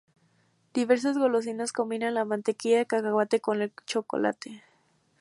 Diversas golosinas combinan la mantequilla de cacahuete con el chocolate.